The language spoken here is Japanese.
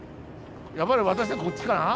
やっぱり私はこっちかな。